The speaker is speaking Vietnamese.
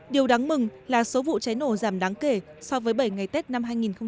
điều đáng mừng là số vụ cháy nổ giảm đáng kể so với bảy ngày tết năm hai nghìn một mươi chín